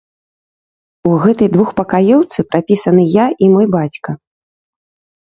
У гэтай двухпакаёўцы прапісаны я і мой бацька.